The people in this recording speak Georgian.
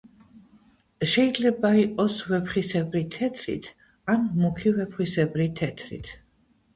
შეიძლება იყოს ვეფხვისებრი თეთრით ახ მუქი ვეფხვისებრი თეთრით.